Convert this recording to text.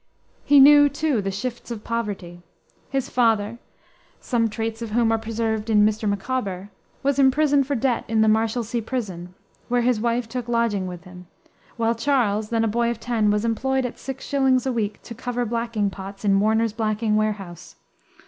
He knew, too, the shifts of poverty. His father some traits of whom are preserved in Mr. Micawber was imprisoned for debt in the Marshalsea prison, where his wife took lodging with him, while Charles, then a boy of ten, was employed at six shillings a week to cover blacking pots in Warner's blacking warehouse.